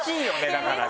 だからね。